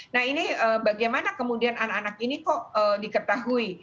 nah ini bagaimana kemudian anak anak ini kok diketahui